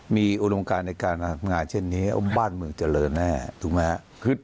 มีอุดมการในการทำงานเช่นนี้บ้านเมืองเจริญแน่ถูกไหมครับ